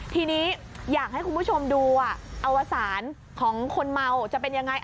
ทีนี้อยากให้คุณผู้ชมดูอวสารของคนเมาจะเป็นยังไง